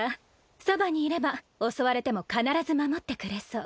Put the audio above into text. そばにいれば襲われても必ず守ってくれそう。